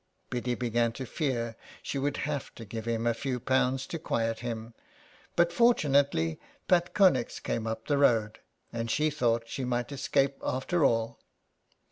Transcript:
Biddy began to fear she would have to give him a few pounds to quiet him. But, fortunately, Pat Connex came up the road, and she thought she might escape after all.